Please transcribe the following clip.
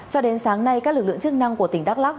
cho đến sáng nay các lực lượng chức năng của tỉnh đắk lắc